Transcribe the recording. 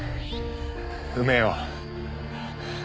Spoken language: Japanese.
埋めよう。